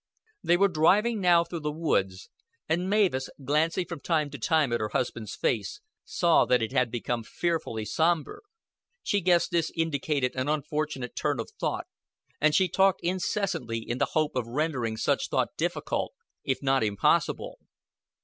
They were driving now through the woods, and Mavis, glancing from time to time at her husband's face, saw that it had become fearfully somber. She guessed that this indicated an unfortunate turn of thought, and she talked incessantly in the hope of rendering such thought difficult, if not impossible.